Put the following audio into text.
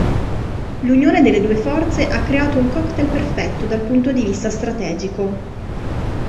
L'unione delle due forze ha creato un cocktail perfetto dal punto di vista strategico.